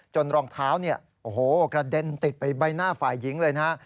จนรองเท้ากระเด็นติดไปใบหน้าฝ่ายหญิงเลยนะ